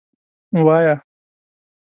وایه.